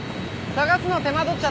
探すの手間取っちゃって。